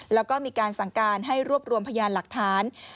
แล้วก็มีการสั่งการให้รวบรวมพยานหลักฐาน